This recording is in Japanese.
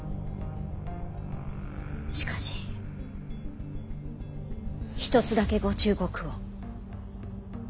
しかし一つだけご忠告を。